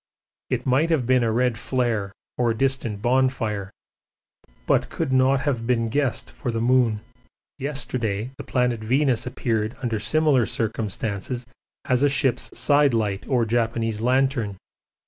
It might have been a red flare or distant bonfire, but could not have been guessed for the moon. Yesterday the planet Venus appeared under similar circumstances as a ship's side light or Japanese lantern.